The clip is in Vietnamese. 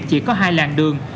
chỉ có hai làng đường